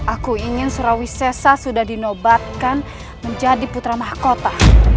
aku ingin surawisesa sudah dinobatkan menjadi putra mahkota